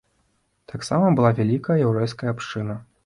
Таксама была вялікая яўрэйская абшчына.